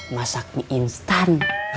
masak di instan